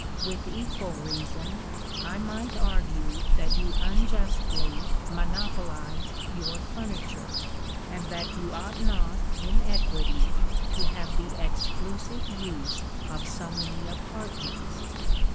With equal reason I might argue that you unjustly ' monopolize' your furniture, and that you ought not in equity to have the ' exclusive use' of so . many apartments.